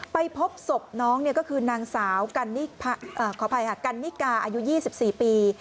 ไปพบศพน้องก็คือนางสาวขออภัยค่ะกันนิกาอายุ๒๔ปี